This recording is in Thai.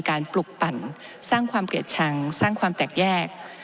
ปลุกปั่นสร้างความเกลียดชังสร้างความแตกแยก